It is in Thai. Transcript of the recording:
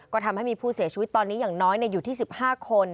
ก็ทำให้มีผู้เสียชีวิตตอนนี้อย่างน้อยอยู่ที่๑๕คน